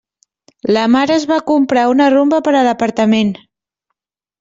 La Mar es va comprar una Rumba per a l'apartament.